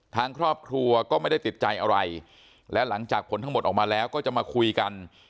ทางครอบครัวก็ไม่ได้ติดใจอะไรและหลังจากผลทั้งหมดออกมาแล้วก็จะมาคุยกัน